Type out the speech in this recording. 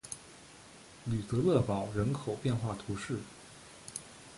吕泽勒堡人口变化图示